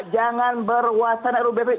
jangan berwasan rubp